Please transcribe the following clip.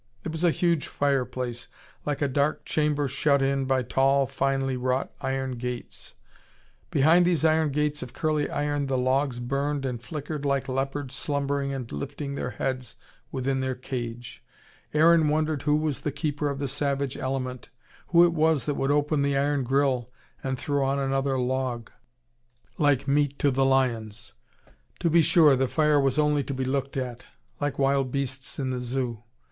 It was a huge fireplace, like a dark chamber shut in by tall, finely wrought iron gates. Behind these iron gates of curly iron the logs burned and flickered like leopards slumbering and lifting their heads within their cage. Aaron wondered who was the keeper of the savage element, who it was that would open the iron grille and throw on another log, like meat to the lions. To be sure the fire was only to be looked at: like wild beasts in the Zoo.